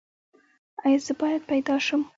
ایا زه باید پیدا شم؟